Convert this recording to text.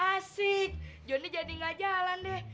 asik joni jadi gak jalan deh